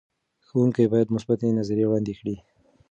ښوونکي باید مثبتې نظریې وړاندې کړي.